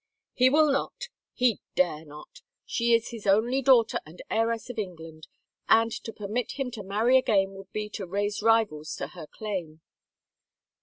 " He will not — he .dare not. She is his only daughter and heiress of England, and to permit him to marry again would be to raise rivals to her claim."